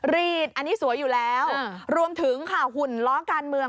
รีดอันนี้สวยอยู่แล้วรวมถึงค่ะหุ่นล้อการเมือง